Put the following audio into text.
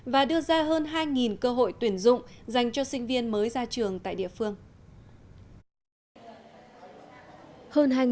và đưa ra hơn hai cơ hội tuyển dụng dành cho sinh viên mới ra trường tại địa phương